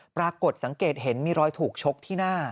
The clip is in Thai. ปรากฏสังเกตเห็นมีรอยถูกชกที่หน้า